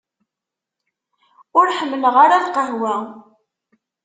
Ur ḥemmleɣ ara lqahwa.